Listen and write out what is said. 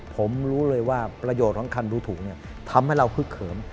ผมรู้เลยว่าประโยชน์ของคันดูถูกทำให้เราพึกเขิม